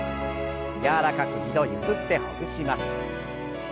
柔らかく２度ゆすってほぐします。